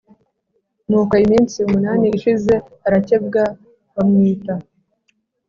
Nuko iminsi munani ishize arakebwa bamwita